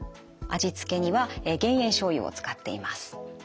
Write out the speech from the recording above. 味付けには減塩しょうゆを使っています。